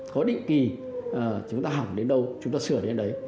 có định kỳ chúng ta hỏng đến đâu chúng ta sửa đến đấy